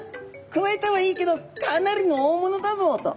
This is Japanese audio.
くわえたはいいけどかなりの大物だぞと。